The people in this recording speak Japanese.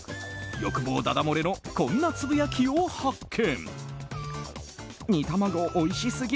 欲望だだぼれのこんなつぶやきを発見。